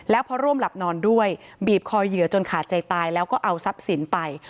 แล้วพอร่วมหลับนอนด้วยบีบคอเหยื่อจนขาดใจตายแล้วก็เอาทรัพย์สินไป